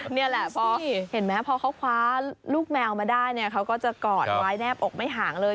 นี่แหละพอเขาคว้าลูกแมวมาได้เขาก็จะกอดไว้แนบอกไม่ห่างเลย